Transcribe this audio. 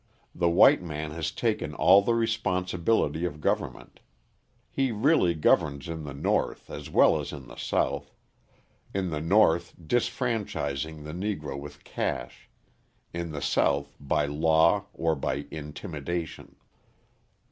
The white man has taken all the responsibility of government; he really governs in the North as well as in the South, in the North disfranchising the Negro with cash, in the South by law or by intimidation.